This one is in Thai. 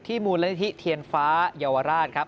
มูลนิธิเทียนฟ้าเยาวราชครับ